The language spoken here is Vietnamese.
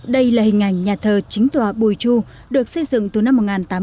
đây là hình ảnh nhà thờ chính tòa bùi chu được xây dựng từ năm một nghìn tám trăm tám mươi